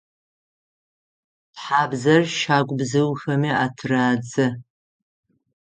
Тхьабзэр щагу бзыухэми атырадзэ.